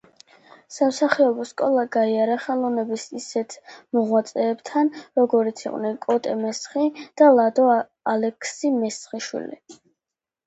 სამსახიობო „სკოლა“ გაიარა ხელოვნების ისეთ მოღვაწეებთან, როგორებიც იყვნენ კოტე მესხი და ლადო ალექსი-მესხიშვილი.